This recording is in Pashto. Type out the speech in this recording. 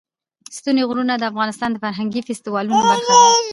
ستوني غرونه د افغانستان د فرهنګي فستیوالونو برخه ده.